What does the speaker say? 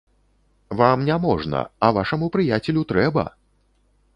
Вам не можна, а вашаму прыяцелю трэба!